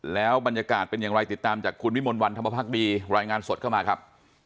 แล้วบรรยากาศเป็นอย่างไรติดตามจากคุณวิมลวันธรรมภักดีรายงานสดเข้ามาครับ